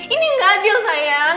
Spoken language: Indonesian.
ini gak adil sayang